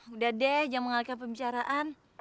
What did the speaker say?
udah deh jangan mengalihkan pembicaraan